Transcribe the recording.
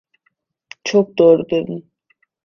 Çok doğru dedin!